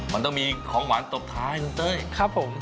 มันต้องมีของหวานตบท้ายลุงเต้ยครับผม